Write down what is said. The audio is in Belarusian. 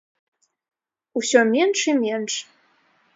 Усё менш і менш.